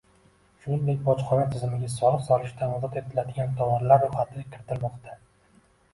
Shuningdek, bojxona tizimiga soliq solishdan ozod etiladigan tovarlar ro‘yxati kiritilmoqda